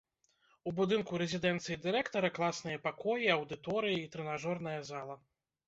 У будынку рэзідэнцыі дырэктара, класныя пакоі, аўдыторыі і трэнажорная зала.